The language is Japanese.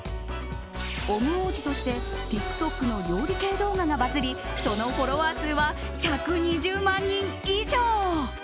オム王子としてＴｉｋＴｏｋの料理系動画がバズりそのフォロワー数は１２０万人以上。